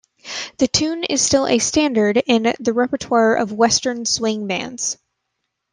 The tune is still a standard in the repertoire of Western swing bands.